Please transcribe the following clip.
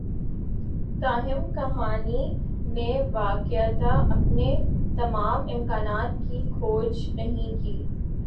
تاہم کہانی نے واقعتا اپنے تمام امکانات کی کھوج نہیں کی